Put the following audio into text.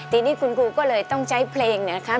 ทีนี้คุณครูก็เลยต้องใช้เพลงเนี่ยนะคะ